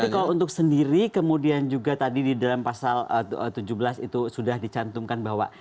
tapi kalau untuk sendiri kemudian juga tadi di dalam pasal tujuh belas itu sudah dicantumkan bahwa